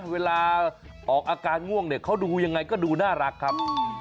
เวลาออกอาการง่วงเนี่ยเขาดูยังไงก็ดูน่ารักครับ